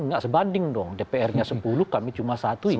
nggak sebanding dong dpr nya sepuluh kami cuma satu